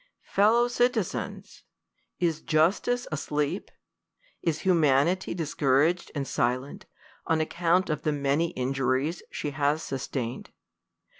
Fellow citizens ! is Justice asleep ? Is Humanity dis couraged and silent, on account of the many injuries she has sustained